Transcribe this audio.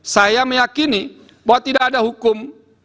saya meyakini bahwa tidak ada hukum